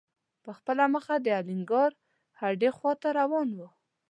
په خپله مخه د الینګار هډې خواته روان و.